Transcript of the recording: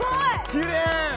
きれい！